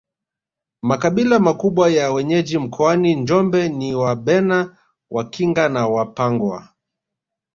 Makabila makubwa ya wenyeji mkoani Njombe ni Wabena Wakinga na Wapangwa